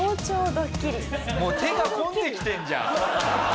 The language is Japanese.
もう手が込んできてるじゃん！